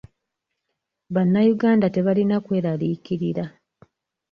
Bannayuganda tebalina kweralikirira.